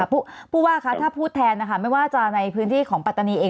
ผู้ว่าคะถ้าพูดแทนนะคะไม่ว่าจะในพื้นที่ของปัตตานีเอง